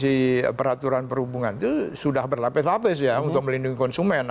si peraturan perhubungan itu sudah berlapis lapis ya untuk melindungi konsumen